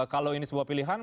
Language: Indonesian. kalau ini sebuah pilihan